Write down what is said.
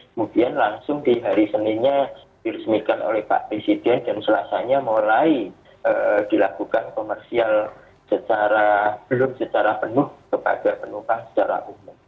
kemudian langsung di hari seninnya diresmikan oleh pak presiden dan selasanya mulai dilakukan komersial secara belum secara penuh kepada penumpang secara umum